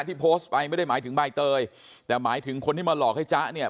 ที่โพสต์ไปไม่ได้หมายถึงใบเตยแต่หมายถึงคนที่มาหลอกให้จ๊ะเนี่ย